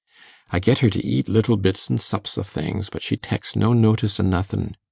I get her t' eat little bits an' sups o' things, but she teks no notice o' nothin'.